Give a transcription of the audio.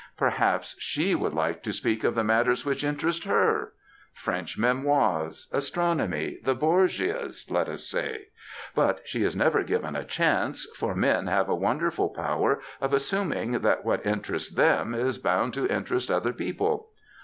Perhaps she would like to speak of the matters which interest her ŌĆö French memoirs, astronomy, the Borgias, let us say ŌĆö ^but she is never given a chance, for men have a wonderful power of assuming that what interests them is bound to interest other people.